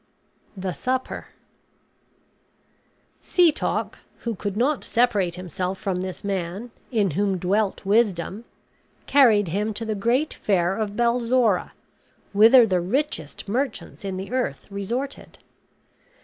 THE SUPPER Setoc, who could not separate himself from this man, in whom dwelt wisdom, carried him to the great fair of Balzora, whither the richest merchants in the earth resorted.